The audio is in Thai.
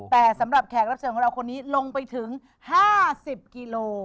แต่สำหรับแขกรับเชิญของเราคนนี้ลงไปถึง๕๐กิโล